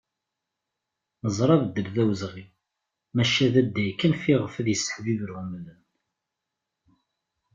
Neẓra abeddel d awezɣi, maca d adday kan fiɣef ad yesseḥibiber umdan.